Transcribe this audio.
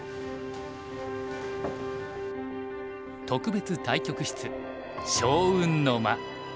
特別対局室祥雲の間。